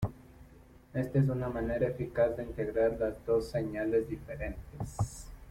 Esta es una manera eficaz de integrar las dos señales diferentes.